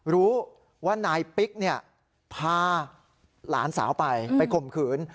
รู้ว่านายปิ๊กพาหลานสาวไปไปข่มขืน